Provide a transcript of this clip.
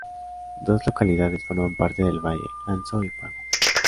Dos localidades forman parte del valle, Ansó y Fago.